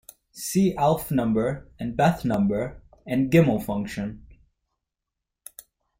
See aleph number and beth number and gimel function.